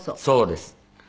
そうです。